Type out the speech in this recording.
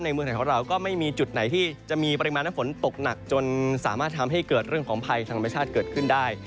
เมืองไทยของเราก็ไม่มีจุดไหนที่จะมีปริมาณน้ำฝนตกหนักจนสามารถทำให้เกิดเรื่องของภัยธรรมชาติเกิดขึ้นได้